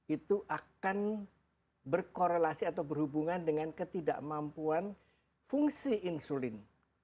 itu akan berkorelasi atau berhubungan dengan ketidakmampuan fungsi insulin